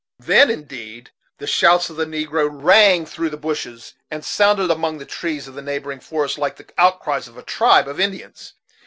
Then, indeed, the shouts of the negro rang through the bushes and sounded among the trees of the neighboring forest like the outcries of a tribe of Indians.